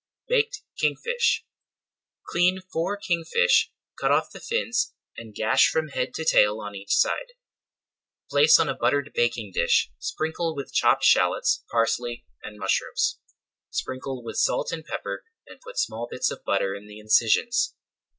BAKED KING FISH Clean four kingfish, cut off the fins and gash from head to tail on each side. Place on a buttered baking dish, sprinkle with chopped shallots, parsley, and mushrooms. Sprinkle with salt and pepper and put small bits of butter in the incisions.